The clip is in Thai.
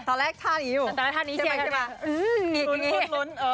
ตอนแรกท่านอยู่อืมลุ้น